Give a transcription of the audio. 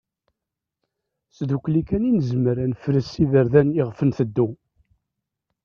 S tdukkli kan i nezmer ad nefres iverdan i ɣef nteddu.